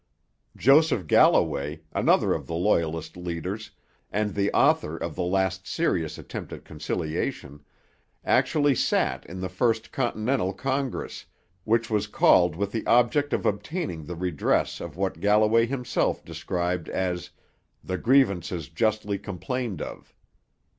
Joseph Galloway, another of the Loyalist leaders, and the author of the last serious attempt at conciliation, actually sat in the first Continental Congress, which was called with the object of obtaining the redress of what Galloway himself described as 'the grievances justly complained of.'